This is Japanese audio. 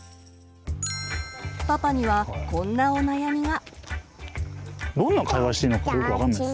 パパにはこんなお悩みが。